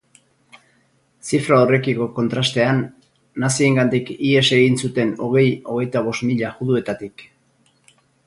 Zifra horrekiko kontrastean, naziengandik ihes egin zuten hogei-hogeita bost mila juduetatik.